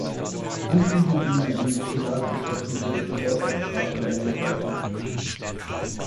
Anschließend ging er in die Privatwirtschaft und wirkte dort als Grafiker in der Werbung.